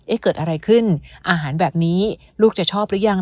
เกิดอะไรขึ้นอาหารแบบนี้ลูกจะชอบหรือยัง